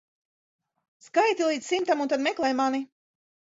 Skaiti līdz simtam un tad meklē mani.